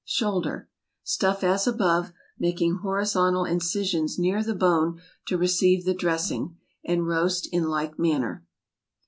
SHOULDER. Stuff as above, making horizontal incisions near the bone to receive the dressing, and roast in like manner.